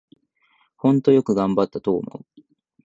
ほんとよく頑張ったと思う